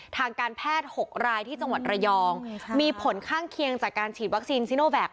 ทางการแพทย์๖รายที่จังหวัดระยองมีผลข้างเคียงจากการฉีดวัคซีนซิโนแกค